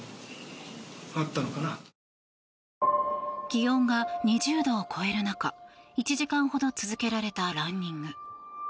気温が２０度を超える中１時間ほど続けられたランニング。